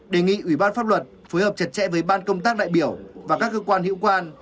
đề nghị ủy ban pháp luật phối hợp chặt chẽ với ban công tác đại biểu và các cơ quan hiệu quan